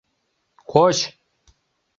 Коч!